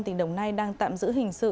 tỉnh đồng nai đang tạm giữ hình sự